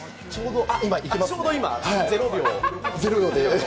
ちょうど今ゼロ秒。